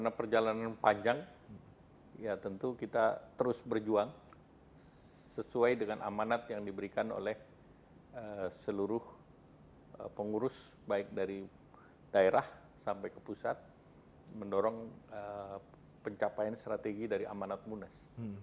nah perjalanan panjang ya tentu kita terus berjuang sesuai dengan amanat yang diberikan oleh seluruh pengurus baik dari daerah sampai ke pusat mendorong pencapaian strategi dari amanat munas